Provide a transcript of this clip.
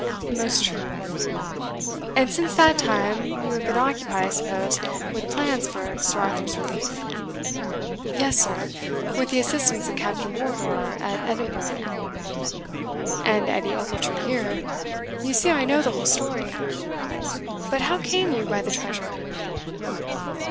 "Most true." "And since that time you have been occupied, I suppose, with plans for Sir Arthur's relief?" "Yes, sir; with the assistance of Captain Wardour at Edinburgh." "And Edie Ochiltree here you see I know the whole story. But how came you by the treasure?"